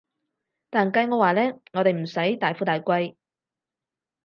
但計我話呢，我哋唔使要大富大貴